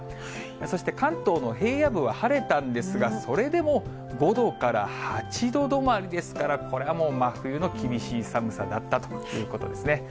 そして関東の平野部は晴れたんですが、それでも５度から８度止まりですから、これはもう真冬の厳しい寒さだったということですね。